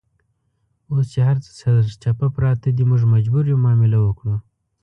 اوس چې هرڅه سرچپه پراته دي، موږ مجبور یو معامله وکړو.